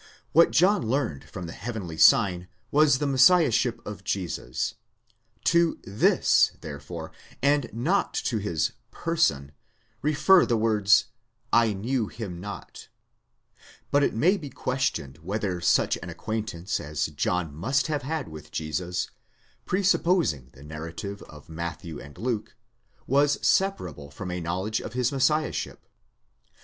What John learned from the heavenly sign was the Messiahship of Jesus; to this therefore, and not to his person, refer the words, 7 knew him not, κἀγὼ οὐκ ἥδειν αὐτὸν.18 But it may be questioned whether such an acquaintance as John must have had with Jesus, presup posing the narrative of Matthew and Luke, was separable from a knowledge of his Messiahship.